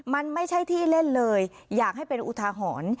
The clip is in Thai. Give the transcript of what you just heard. มันไม่ใช่ที่เล่นเลยอยากให้เป็นอุทาหรณ์